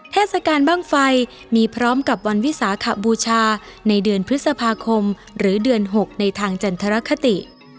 เทศกาลบ้างไฟมีพร้อมกับวันวิสาขบูชาในเดือนพฤษภาคมหรือเดือน๖ในทางจันทรคติ